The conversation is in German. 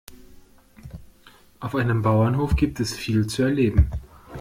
Auf einem Bauernhof gibt es viel zu erleben.